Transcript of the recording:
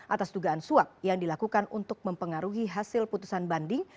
atas dugaan suap yang dilakukan untuk mempengaruhi hasil putusan banding